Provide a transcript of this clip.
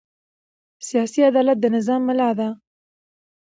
سیاسي عدالت د نظام ملا ده